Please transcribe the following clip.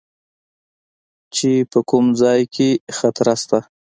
چې په کوم ځاى کښې خطره سته.